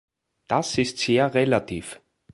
Das ist sehr relativ.